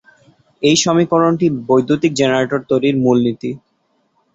এই সমীকরণটি বৈদ্যুতিক জেনারেটর তৈরীর মূলনীতি।